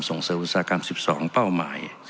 ส่งเสริมอุตสาหกรรม๑๒เป้าหมาย